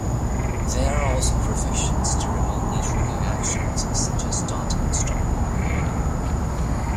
There are also provisions to remotely trigger actions, such as starting and stopping recording.